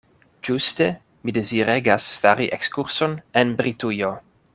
Ĝuste mi deziregas fari ekskurson en Britujo.